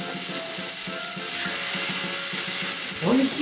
おいしい！